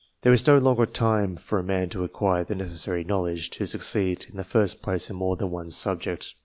There is no longer time for a man to acquire the necessary knowledge to succeed to the first place in more than one subject.